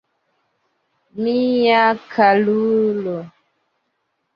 Mia karulo!